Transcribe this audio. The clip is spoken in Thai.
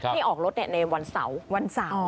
ให้อักลฎในวันเสามี